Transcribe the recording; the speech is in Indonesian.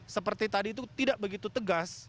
seperti tadi itu tidak begitu tegas